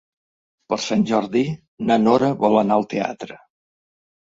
Per Sant Jordi na Nora vol anar al teatre.